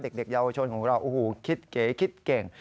เด็กเยาวชนของเราโอ้โหคิดเก๋คิดเก่ง